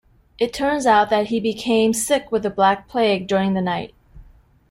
It turns out that he became sick with the Black Plague during the night.